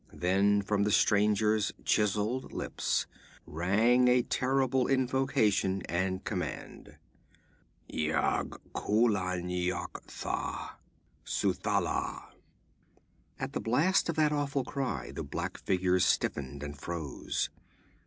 Then from the stranger's chiseled lips rang a terrible invocation and command: 'Yagkoolan yok tha, xuthalla!' At the blast of that awful cry, the black figures stiffened and froze.